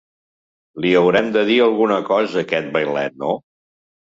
Li haurem de dir alguna cosa a aquest vailet, no?